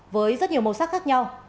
với rất nhiều màu sắc khác nhau